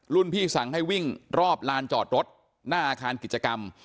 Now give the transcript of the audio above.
พี่สั่งให้วิ่งรอบลานจอดรถหน้าอาคารกิจกรรม